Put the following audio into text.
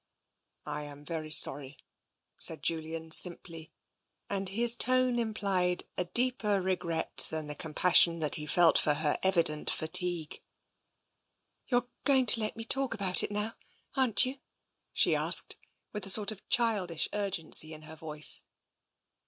" I am very sorry," said Julian simply, and his tone implied a deeper regret than the compassion that he felt for her evident fatigue. TENSION 259 " You are going to let me talk about it now, aren't you?*' she asked, with a sort of childish urgency in her voice.